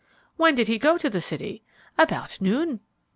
"When did he go to the city?" "About noon."